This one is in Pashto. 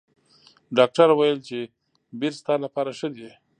ډاکټر ویل چې بیر ستا لپاره ښه دي.